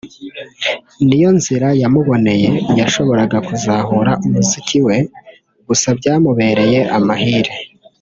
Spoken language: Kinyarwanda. ni yo nzira yamuboneye yashoboraga kuzahura umuziki we gusa byamubereye amahire